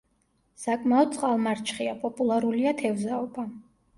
საკმაოდ წყალმარჩხია, პოპულარულია თევზაობა.